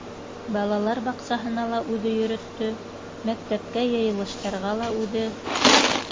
Балалар баҡсаһына ла үҙе йөрөттө, мәктәпкә йыйылыштарға ла үҙе